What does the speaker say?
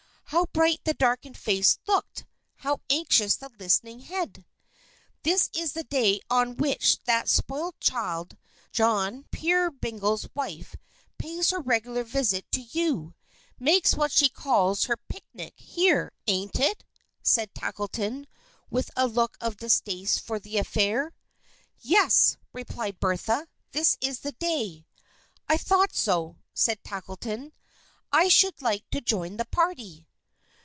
How bright the darkened face looked! How anxious the listening head! "This is the day on which that spoiled child, John Peerybingle's wife, pays her regular visit to you makes what she calls her 'picnic' here, ain't it?" said Tackleton, with a look of distaste for the affair. "Yes," replied Bertha, "this is the day." "I thought so," said Tackleton. "I should like to join the party."